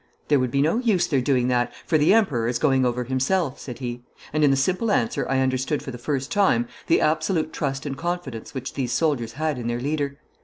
'There would be no use their doing that, for the Emperor is going over himself,' said he; and in the simple answer I understood for the first time the absolute trust and confidence which these soldiers had in their leader.